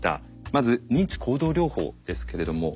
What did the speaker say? まず認知行動療法ですけれども。